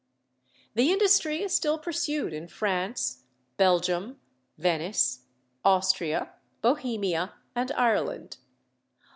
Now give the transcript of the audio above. The industry is still pursued in France, Belgium, Venice, Austria, Bohemia, and Ireland.